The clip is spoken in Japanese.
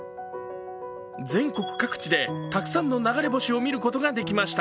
全国各地でたくさんの流れ星を見ることができました。